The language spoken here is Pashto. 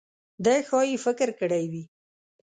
ده ښايي فکر کړی وي.